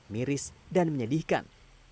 miris dan menyedihkan